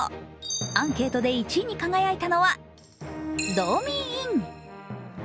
アンケートで１位に輝いたのはドーミーイン。